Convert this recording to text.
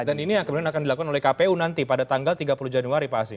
dan ini yang kemudian akan dilakukan oleh kpu nanti pada tanggal tiga puluh januari pak asyik